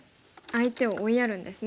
相手を追いやるんですね厚みに。